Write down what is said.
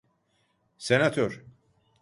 Senatör!